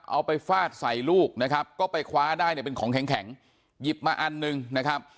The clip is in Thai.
เอาไปฟาดใส่ลูกนะครับก็ไปคว้าได้เนี่ยเป็นของแข็งแข็งหยิบมาอันหนึ่งนะครับ